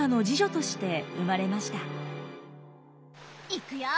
いくよ？